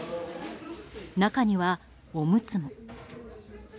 中には、おむつも。